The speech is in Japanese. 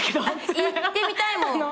言ってみたいもん。